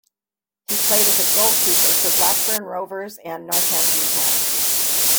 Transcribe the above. He played as a goalkeeper for Blackburn Rovers and Northampton Town.